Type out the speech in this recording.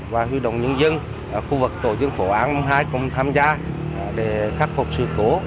và huy động nhân dân khu vực tổ dân phố an hai cùng tham gia để khắc phục sự cố